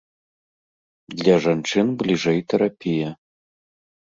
Для жанчын бліжэй тэрапія.